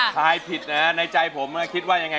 คุณดาวค่ะ